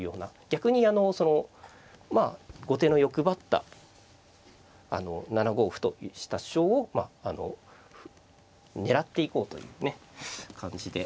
逆にあのその後手の欲張った７五歩とした主張をまああの狙っていこうというね感じで。